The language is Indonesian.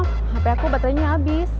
hape aku baterainya abis